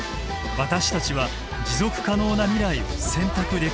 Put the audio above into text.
私たちは持続可能な未来を選択できるのか？